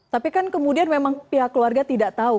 tapi kan kemudian memang pihak keluarga tidak tahu